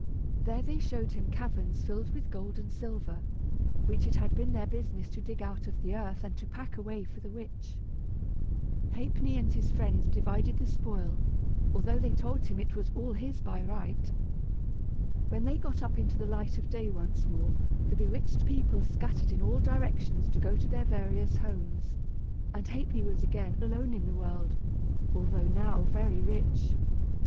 There they showed him caverns filled with gold and silver, which it had been their business to dig out of the earth and to pack away for the witch. Ha'penny and his friends divided the spoil, although they told him it was all his by right. When they got up into the light of day once more, the bewitched people scattered in all directions to go to their various homes, and Ha'penny was again alone in the world, although now very rich.